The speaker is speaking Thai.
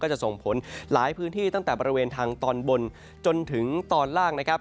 จะส่งผลหลายพื้นที่ตั้งแต่บริเวณทางตอนบนจนถึงตอนล่างนะครับ